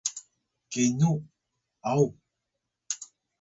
Kenu: aw